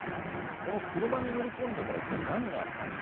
この車に乗り込んでから一体何があったのか。